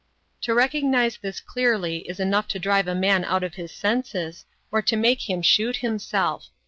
To recognize this clearly is enough to drive a man out of his senses or to make him shoot himself.